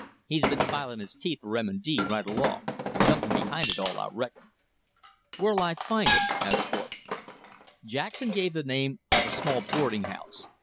He's been filin' his teeth for M. & D. right along. Somethin's behind it all, I reckon." "Where'll I find him?" asked Thorpe. Jackson gave the name of a small boarding house.